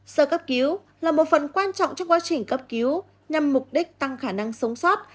sơ cấp cứu là một phần quan trọng cho quá trình cấp cứu nhằm mục đích tăng khả năng sống sót